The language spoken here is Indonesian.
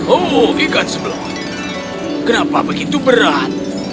oh ikan sebelah kenapa begitu berat